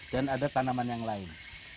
dan ada tanaman yang lain